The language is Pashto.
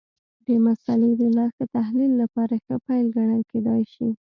د مسألې د لا ښه تحلیل لپاره ښه پیل ګڼل کېدای شي.